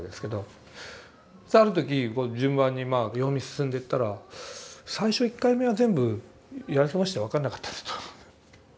ある時順番に読み進んでったら最初１回目は全部やり過ごして分かんなかったんだと思う。